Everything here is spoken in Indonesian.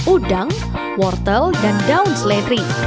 udang wortel dan daun seledri